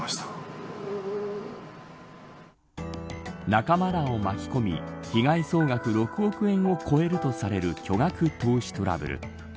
仲間らを巻き込み被害総額６億円を超えるとされる巨額投資トラブル。